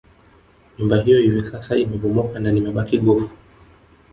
Nyumba hiyo hivi sasa imebomoka na limebaki gofu